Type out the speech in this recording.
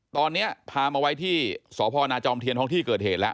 ตอนนี้พามาไว้ที่สพนาจอมเทียนท้องที่เกิดเหตุแล้ว